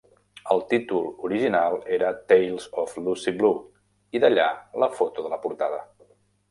El títol original era "Tales of Lucy Blue", i d'allà la foto de la portada.